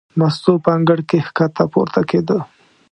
مستو په انګړ کې ښکته پورته کېده.